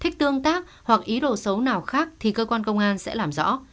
cách tương tác hoặc ý đồ xấu nào khác thì cơ quan công an sẽ làm rõ